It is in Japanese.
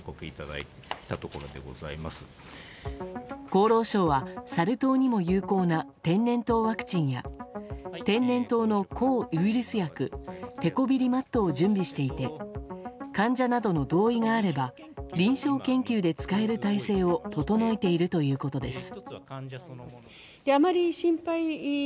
厚労省はサル痘にも有効な天然痘ワクチンや天然痘の抗ウイルス薬テコビリマットを準備していて患者などの同意があれば臨床研究で使える体制を整えているということです。